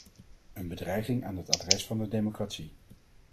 Een bedreiging aan het adres van de democratie.